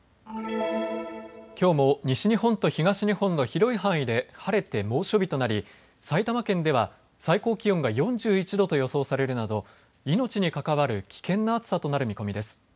きょうも西日本と東日本の広い範囲で晴れて猛暑日となり埼玉県では最高気温が４１度と予想されるなど命に関わる危険な暑さとなる見込みです。